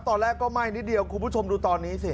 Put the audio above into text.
ตอนแรกก็ไหม้นิดเดียวคุณผู้ชมดูตอนนี้สิ